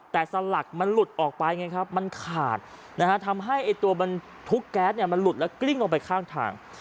แต่สลักมันหลุดออกไปไงครับมันขาดนะฮะทำให้ไอ้ตัวบรรทุกแก๊สเนี่ยมันหลุดแล้วกลิ้งลงไปข้างทาง